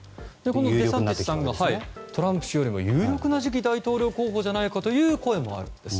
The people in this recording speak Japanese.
デサンティスさんがトランプ氏よりも有力な次期大統領候補ではないかという声もあるんです。